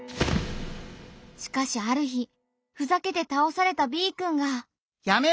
しかしある日ふざけて倒されたＢくんが。